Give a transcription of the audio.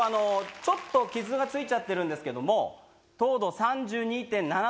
ちょっと傷が付いちゃってるんですけども。